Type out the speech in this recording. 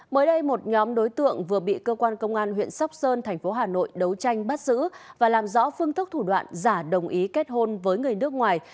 mới đây một nhóm đối tượng vừa bị cơ quan công an huyện sóc sơn thành phố hà nội đấu tranh bắt giữ và làm rõ phương thức thủ đoạn giả đồng ý kết hôn với người nước ngoài